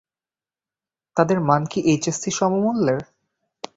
তাদের মান কি এইচএসসি সমমূল্যের?